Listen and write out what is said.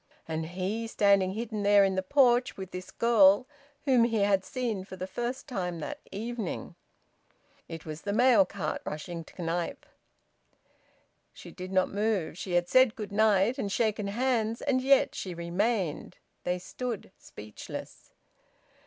And he standing hidden there in the porch with this girl whom he had seen for the first time that evening!) It was the mail cart, rushing to Knype. She did not move. She had said `good night' and shaken hands; and yet she remained. They stood speechless.